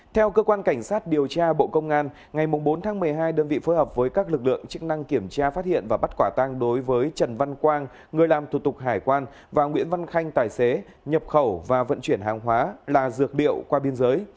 theo cơ quan cảnh sát điều tra bộ công an ngày bốn tháng một mươi hai đơn vị phối hợp với các lực lượng chức năng kiểm tra phát hiện và bắt quả tăng đối với trần văn quang người làm thủ tục hải quan và nguyễn văn khanh tài xế nhập khẩu và vận chuyển hàng hóa là dược liệu qua biên giới